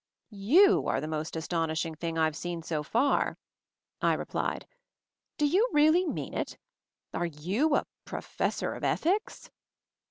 "You are the most astonishing thing I've seen so far," I replied. "Do you really mean it? Are you — a Professor of Ethics?"